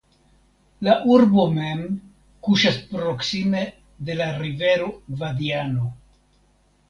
La urbo mem kuŝas proksime de la rivero Gvadiano.